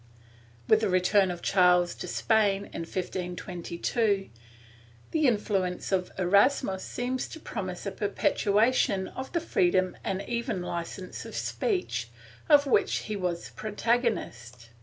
With the return of Charles to Spain, in 1522, the influence of Erasmus seemed to promise a perpetuation of the freedom and even licence of speech, of which he was the protagonist.